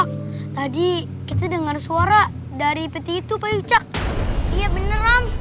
tadi kita dengar suara dari peti itu pak ucap iya bener am